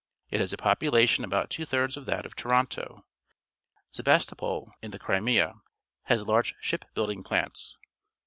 It has a pop ulation about two tliirds of that of Toronto. Sebasiopol, in the Crimea, has large sliip building plants.